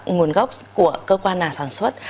nguồn gốc của cơ quan nhà sản xuất